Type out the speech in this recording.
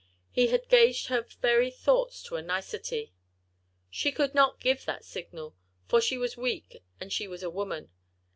He had gauged her very thoughts to a nicety. She could not give that signal—for she was weak, and she was a woman.